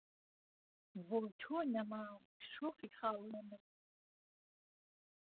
بۆ تۆ نهمام شۆخی خاڵ له مل